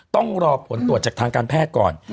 ต้องรอผลตรวจจากทางการแพทย์ก่อน